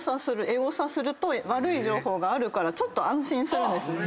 エゴサすると悪い情報があるからちょっと安心するんです。